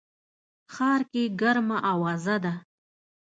ښار کي ګرمه اوازه ده